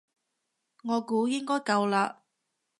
我估應該夠啦